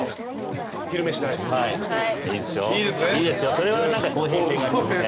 それは公平性がありますね。